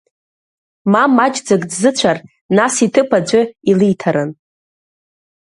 Ма маҷӡак дзыцәар, нас иҭыԥ аӡәы илиҭарын.